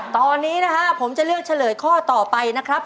ตอนนี้นะฮะผมจะเลือกเฉลยข้อต่อไปนะครับ